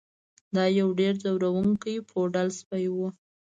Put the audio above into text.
دا یو ډیر ځورونکی پوډل سپی و